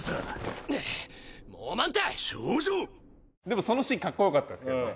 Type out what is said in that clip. でもそのシーンかっこよかったですけどね。